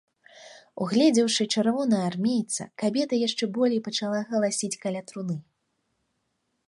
Угледзеўшы чырвонаармейца, кабета яшчэ болей пачала галасіць каля труны.